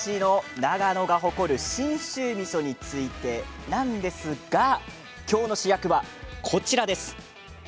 日本一の長野が誇る信州みそについてなんですが今日の主役はこちらです。